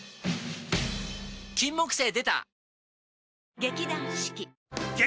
金木犀でた！